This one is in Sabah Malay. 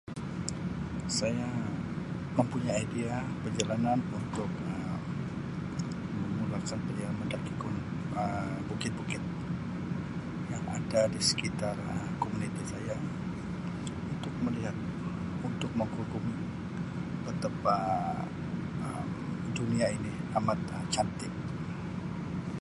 Saya mempunyai idea perjalanan untuk Um memulakan perjalanan mendaki gun[Um] bukit bukit yang ada di sekitar Um komuniti saya untuk melihat untuk menghukum betapa Um dunia ini amatlah cantik